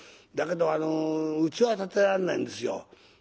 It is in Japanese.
だけどうちは建てられないんですよ。